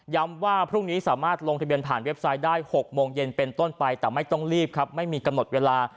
ว่าพรุ่งนี้สามารถลงทะเบียนผ่านเว็บไซต์ได้๖โมงเย็นเป็นต้นไปแต่ไม่ต้องรีบครับไม่มีกำหนดเวลา